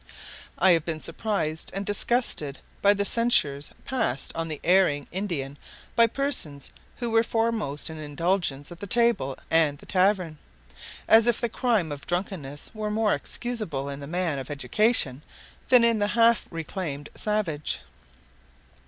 I have been surprised and disgusted by the censures passed on the erring Indian by persons who were foremost in indulgence at the table and the tavern; as if the crime of drunkenness were more excusable in the man of education than in the half reclaimed savage.